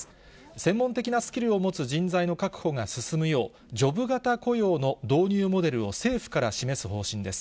専門的なスキルを持つ人材の確保が進むよう、ジョブ型雇用の導入モデルを政府から示す方針です。